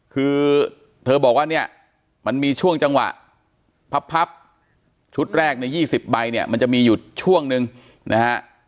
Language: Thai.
คือเธอบอกว่าเนี่ยมันมีช่วงจังหวะพับชุดแรกใน๒๐ใบเนี่ยมันจะมีอยู่ช่วงนึงนะฮะ